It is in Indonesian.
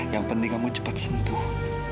yang penting kamu cepat sembuh